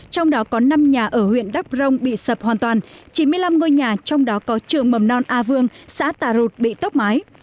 trong đó có năm nhà ở huyện đắk rông bị sập hoàn toàn chín mươi năm ngôi nhà trong đó có trường mầm non a vương xã tà rụt bị tốc mái